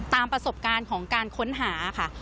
ตามประสบการณ์ของการค้นหาค่ะ